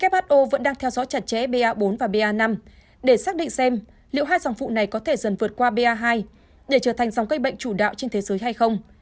bà vankykov cho biết dòng phụ này có thể dần vượt qua ba hai để trở thành dòng cây bệnh chủ đạo trên thế giới hay không